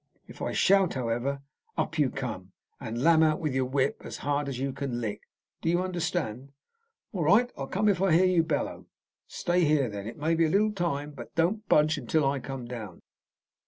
If I shout, however, up you come, and lam out with your whip as hard as you can lick. Do you understand?" "All right. I'll come if I hear you bellow." "Stay here, then. It may be a little time, but don't budge until I come down."